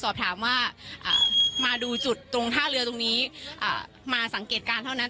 สอบถามว่ามาดูจุดตรงท่าเรือตรงนี้มาสังเกตการณ์เท่านั้น